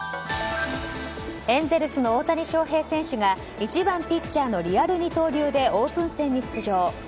エンゼルスの大谷翔平選手が１番ピッチャーのリアル二刀流でオープン戦に出場。